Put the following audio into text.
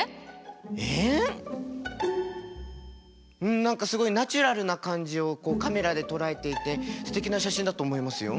ん何かすごいナチュラルな感じをカメラで捉えていてすてきな写真だと思いますよ。